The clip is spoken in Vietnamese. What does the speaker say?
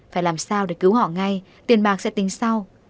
phải làm sao để cứu họ ngay tiền bạc sẽ tính sau